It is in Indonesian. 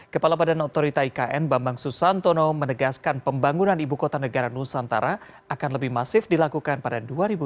kepala badan otorita ikn bambang susantono menegaskan pembangunan ibu kota negara nusantara akan lebih masif dilakukan pada dua ribu dua puluh